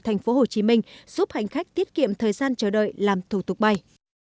tại đây hà nội tp hcm giúp hành khách tiết kiệm thời gian chờ đợi làm thủ tục bay